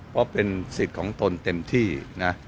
เพราะเป็นสิทธิ์ของตนเต็มที่นะ